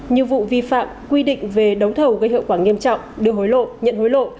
nhiều vụ vi phạm quy định về đấu thầu gây hiệu quả nghiêm trọng được hối lộ nhận hối lộ